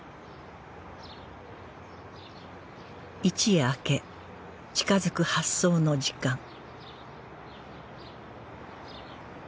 一夜明け近づく発送の時間